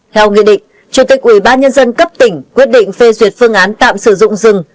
theo nghị định chủ tịch ubnd cấp tỉnh quyết định phê duyệt phương án tạm sử dụng rừng